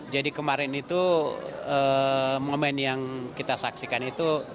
jadi kemarin itu momen yang kita saksikan itu